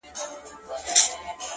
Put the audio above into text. • پړ هم زه سوم مړ هم زه سوم ,